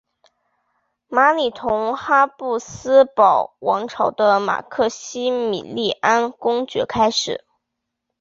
玛丽同哈布斯堡王朝的马克西米利安公爵开始。